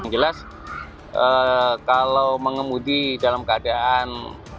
yang jelas kalau mengemudi dalam keadaan